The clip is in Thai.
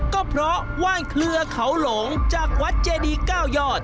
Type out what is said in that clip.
ก็เพราะว่านเครือเขาหลงจากวัดเจดี๙ยอด